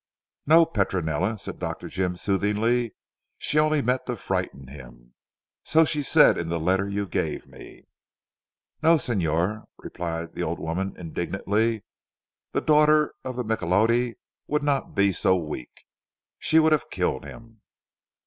"No, Petronella," said Dr. Jim soothingly, "she only meant to frighten him. So she said in the letter you gave me." "No Signor," replied the old woman indignantly, "the daughter of the Micholotti would not be so weak. She would have killed him."